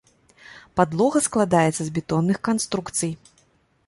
Падлога складаецца з бетонных канструкцый.